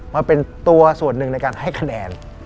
มาเป็นตัวส่วนหนึ่งในการให้คะแนน